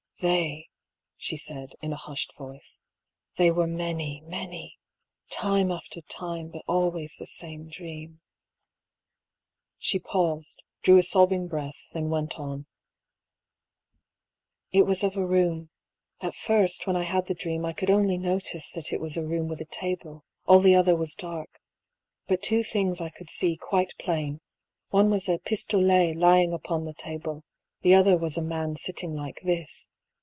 "They," she said, in a hushed voice, "they were many, many; time after time, but always the same dream." She paused, drew a sobbing breath, then went on :" It was of a room. At first when I had the dream I could only notice that it was a room with a table, all the other was dark. But two things I could see quite plain : one was a pistolet lying upon the table, the other was a man sitting like this."